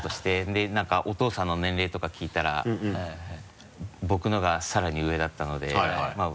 でなんかお父さんの年齢とか聞いたら僕のがさらに上だったのでまぁ。